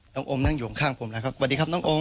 องค์นั่งอยู่ข้างผมแล้วครับสวัสดีครับน้องโอม